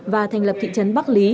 và thành lập thị trấn bắc lý